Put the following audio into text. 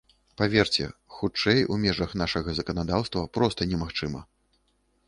Паверце, хутчэй у межах нашага заканадаўства проста немагчыма.